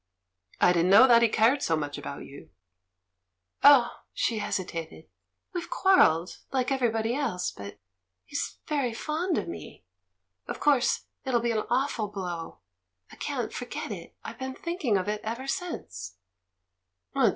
"I didn't know that he cared so much about you?" DEAD VIOLETS 255 "Oh" — she hesitated — "we've quarrelled, like everybody else, but — but he's very fond of me. Of course, it'll be an awful blow. I can't forget it — I've been thinking of it ever since."